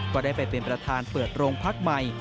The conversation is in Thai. ก็ได้ไปเป็นประธานเปิดโรงพักใหม่